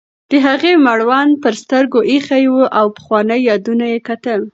د هغې مړوند پر سترګو ایښی و او پخواني یادونه یې کتل.